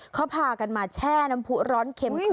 เขาพากันมาแช่น้ำผูกร้อนเข็มครอบทำ